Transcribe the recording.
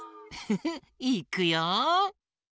フフフいくよ！